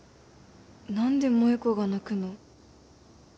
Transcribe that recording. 何で萌子が泣くの？